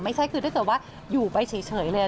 ไม่ใช่คือถ้าเกิดว่าอยู่ไปเฉยเลย